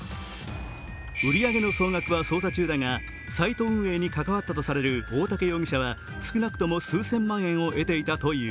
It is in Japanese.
売り上げの総額は捜査中だが、サイト運営に関わったとされる大竹容疑者は少なくとも数千万円を得ていたという。